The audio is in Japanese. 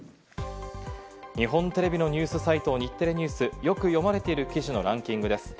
日本テレビのニュースサイト、日テレＮＥＷＳでよく読まれている記事のランキングです。